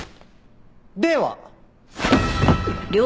では。